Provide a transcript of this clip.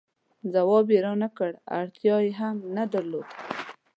ځواب یې را نه کړ، اړتیا یې هم نه درلوده.